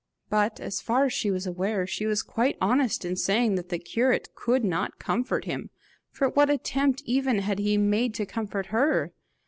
But, as far as she was aware, she was quite honest in saying that the curate could not comfort him for what attempt even had he made to comfort her?